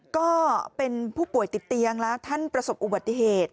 ก็เป็นผู้ป่วยติดเตียงแล้วท่านประสบอุบัติเหตุ